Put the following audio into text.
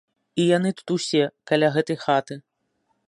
І яны тут усе каля гэтай хаты.